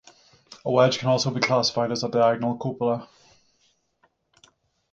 A wedge can also be classified as a digonal cupola.